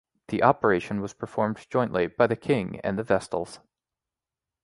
The operation was performed jointly by the king and the Vestals.